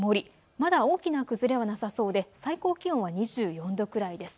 まだ大きな崩れはなさそうで最高気温は２４度くらいです。